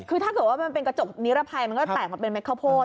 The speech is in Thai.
คือถ้าเกิดว่ามันเป็นกระจกนิรภัยมันก็แตกมาเป็นเม็ดข้าวโพด